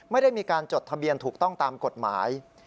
ไม่ได้มีการจดทะเบียนถูกต้องตามกฎหมาย